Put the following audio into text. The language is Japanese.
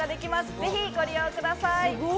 ぜひご覧ください。